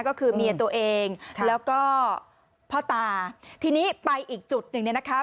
ก็คือเมียตัวเองแล้วก็พ่อตาทีนี้ไปอีกจุดหนึ่งเนี่ยนะคะ